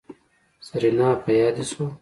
سېرېنا په ياده دې شوه.